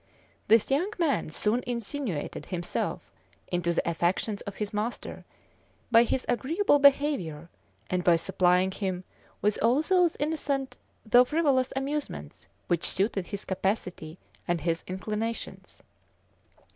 This young man soon insinuated himself into the affections of his master, by his agreeable behavior, and by supplying him with all those innocent though frivolous amusements which suited his capacity and his inclinations.